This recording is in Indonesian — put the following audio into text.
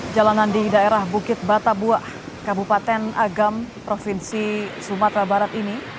jalanan di daerah bukit batabuah kabupaten agam provinsi sumatera barat ini